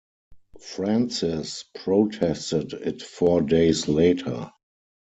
Francis protested it four days later.